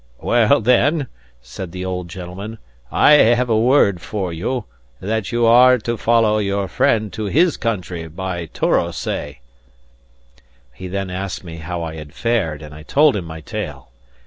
"Well, then," said the old gentleman, "I have a word for you, that you are to follow your friend to his country, by Torosay." He then asked me how I had fared, and I told him my tale.